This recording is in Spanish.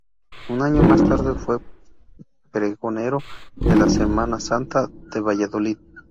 Un año más tarde fue pregonero de la Semana Santa de Valladolid.